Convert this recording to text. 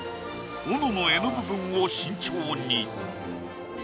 斧の柄の部分を慎重に。